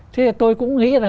thế tôi cũng nghĩ là